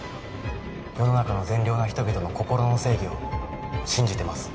世の中の善良な人々の心の正義を信じてます